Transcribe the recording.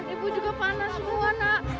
ibu juga panas semua nak